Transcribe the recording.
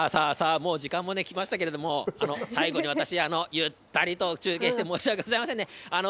もう時間も来ましたけれども、最後に私、ゆったりと中継して、申し訳ございませんね。